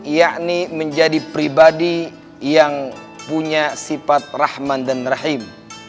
yakni menjadi pribadi yang punya sifat rahman dan rahim